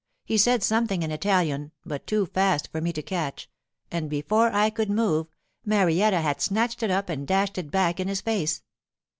He said something in Italian, but too fast for me to catch, and before I could move, Marietta had snatched it up and dashed it back in his face.